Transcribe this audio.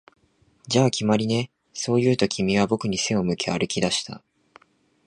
「じゃあ、決まりね」、そう言うと、君は僕に背を向け歩き出した